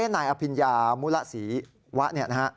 นายอภิญญามุระศรีวะเนี่ยนะฮะ